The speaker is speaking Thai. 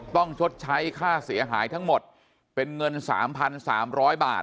ต้องชดใช้ค่าเสียหายทั้งหมดเป็นเงินสามพันสามร้อยบาท